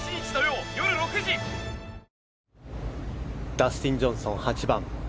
ダスティン・ジョンソンの８番。